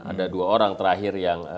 ada dua orang terakhir yang